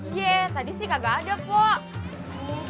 iya tadi sih kagak ada pok